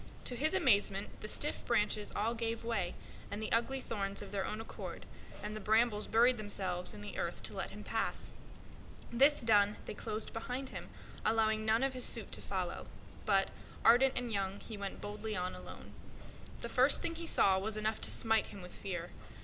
To his amazement the stiff branches all gave way, and the ugly thorns drew back of their own accord, and the brambles buried themselves in the earth to let him pass. This done, they closed behind him, allowing none to follow. Nevertheless, he pushed boldly on alone. The first thing he saw was enough to freeze him with fear.